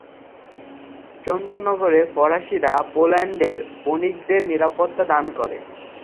চন্দননগরের ফরাসিরা পোল্যান্ডের বণিকদের নিরাপত্তা দান করে।